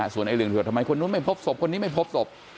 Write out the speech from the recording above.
ส่วนเรื่องเถิดทำไมคนนู้นไม่พบศพคนนี้ไม่พบศพ